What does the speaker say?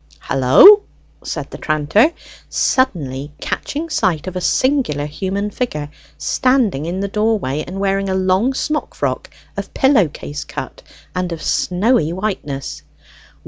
"Hullo!" said the tranter, suddenly catching sight of a singular human figure standing in the doorway, and wearing a long smock frock of pillow case cut and of snowy whiteness.